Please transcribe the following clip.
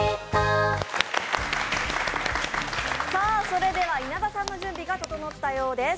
それでは稲田さんの準備が整ったようです。